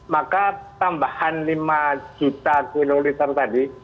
maka tambahan lima juta kiloliter tadi